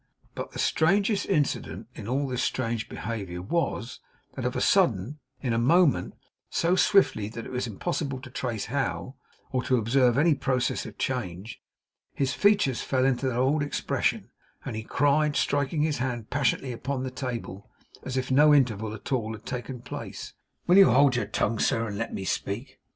But the strangest incident in all this strange behaviour was, that of a sudden, in a moment, so swiftly that it was impossible to trace how, or to observe any process of change, his features fell into their old expression, and he cried, striking his hand passionately upon the table as if no interval at all had taken place: 'Will you hold your tongue, sir, and let me speak?